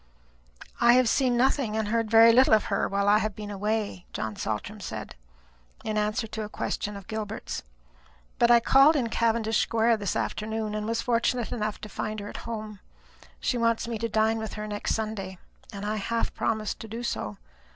"I have seen nothing and heard very little of her while I have been away," John Saltram said, in answer to a question of Gilbert's; "but I called in Cavendish square this afternoon, and was fortunate enough to find her at home. She wants me to dine with her next Sunday, and I half promised to do so.